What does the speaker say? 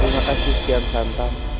terima kasih kian santan